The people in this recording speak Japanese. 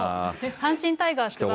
阪神タイガースは。